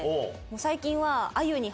最近は。